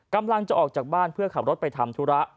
กำลังจะออกจากบ้านเพื่อขับรถไปทำธุระ